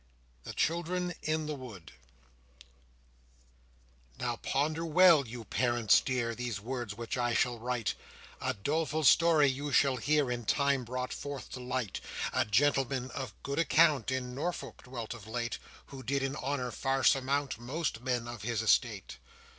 The Children in the Wood Now ponder well, you parents dear, These words which I shall write; A doleful story you shall hear, In time brought forth to light. A gentleman of good account, In Norfolk dwelt of late, Who did in honour far surmount Most men of his estate.